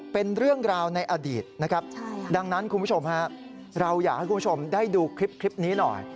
เป็นเรื่องราวในอดีตนะครับดังนั้นคุณผู้ชมฮะเราอยากให้คุณผู้ชมได้ดูคลิปนี้หน่อย